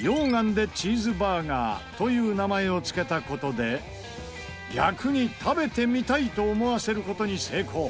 という名前をつけた事で逆に食べてみたいと思わせる事に成功。